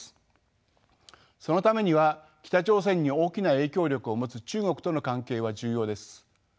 そのためには北朝鮮に大きな影響力を持つ中国との関係は重要です。